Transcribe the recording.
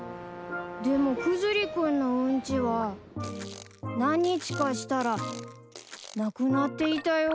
でもクズリ君のうんちは何日かしたらなくなっていたよ。